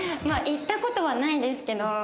まあいった事はないですけど。